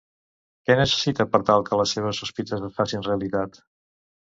Què necessita per tal que les seves sospites es facin realitat?